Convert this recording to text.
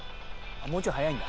「もうちょい早いんだ」